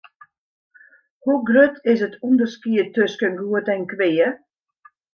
Hoe grut is it ûnderskied tusken goed en kwea?